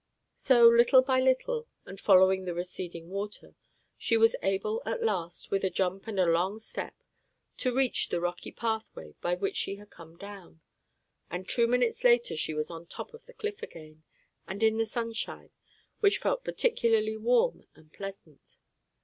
So, little by little, and following the receding sea, she was able at last, with a jump and a long step, to reach the rocky pathway by which she had come down, and two minutes later she was on top of the cliff again, and in the sunshine, which felt particularly warm and pleasant.